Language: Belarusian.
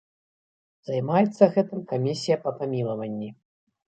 Займаецца гэтым камісія па памілаванні.